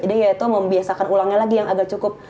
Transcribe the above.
jadi ya itu membiasakan ulangnya lagi yang agak cukup